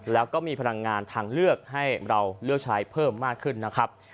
แล้วก็มีพลังงานทางเลือกให้เราเลือกใช้เพิ่มมากขึ้นนะครับ